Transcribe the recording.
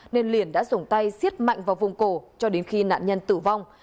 nên liền đã dùng tay xiết mạnh vào vùng cổ cho đến khi nạn nhân tử vong